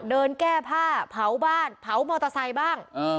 เดินแก้ผ้าเผาบ้านเผามอเตอร์ไซค์บ้าง